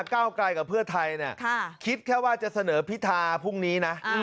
ก้าวไกลกับเพื่อไทยคิดแค่ว่าจะเสนอพิธาพรุ่งนี้นะ